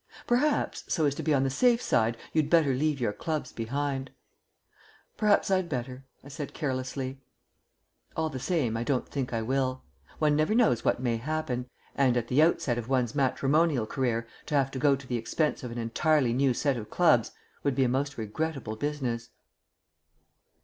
"Perhaps, so as to be on the safe side, you'd better leave your clubs behind." "Perhaps I'd better," I said carelessly. All the same I don't think I will. One never knows what may happen ... and at the outset of one's matrimonial career to have to go to the expense of an entirely new set of clubs would be a most regrettable business.